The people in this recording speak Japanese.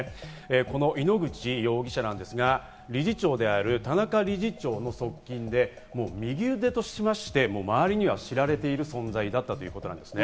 この井ノ口容疑者ですが、理事長である田中理事長の側近で、右腕としまして、周りには知られている存在だったということなんですね。